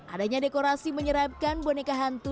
adanya dekorasi menyerapkan boneka hantu